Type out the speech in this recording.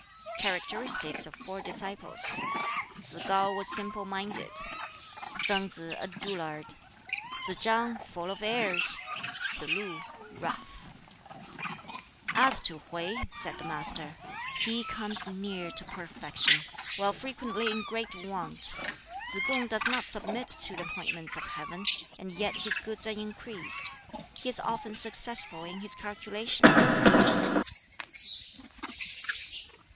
Characteristics of four disciples: Tsz kŠu was simple minded; Tsang Si, a dullard; Tsz chang, full of airs; Tsz lu, rough. "As to Hwķi," said the Master, "he comes near to perfection, while frequently in great want. Tsz kung does not submit to the appointments of Heaven; and yet his goods are increased; he is often successful in his calculations."